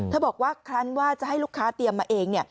ถ้าบอกว่าให้ลูกค้าเตรียมมาเอง